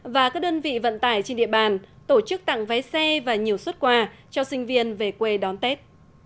và các đơn vị vận tải trên địa bàn tổ chức tặng vé xe và nhiều xuất quà cho sinh viên về quê đón tết